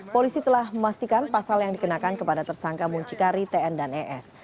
polisi telah memastikan pasal yang dikenakan kepada tersangka muncikari tn dan es